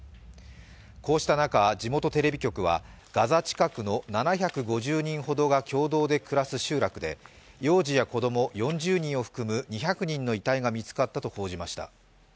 こうした中、地元テレビ局はガザ近くの７５０人ほどが共同で暮らす集落で幼児や子供４０人を含む２００人の遺体が見つかったと報じました。